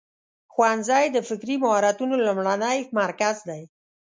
ښوونځی د فکري مهارتونو لومړنی مرکز دی.